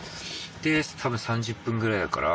多分３０分ぐらいだから。